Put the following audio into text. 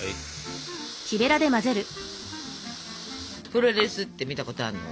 プロレスって見たことあるの？